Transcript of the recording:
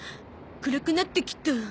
暗くなってきた。